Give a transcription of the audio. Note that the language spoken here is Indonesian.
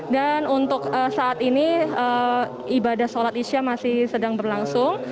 dan untuk saat ini ibadah sholat isya masih sedang berlangsung